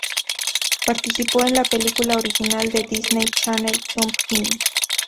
Participó en la película Original de Disney Channel, "Jump In!